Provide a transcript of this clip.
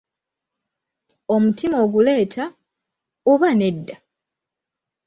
Omutima oguleeta, oba nedda?